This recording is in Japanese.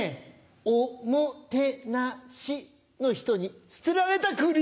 「お・も・て・な・し」の人に捨てられたクリ！